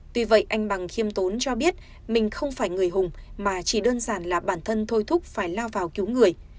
tuy vậy anh bằng khiêm tốn cho biết mình không phải người hùng mà chỉ đơn giản là bản thân thôi thúc phải lao vào cứu người